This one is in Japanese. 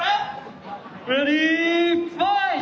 レディファイト！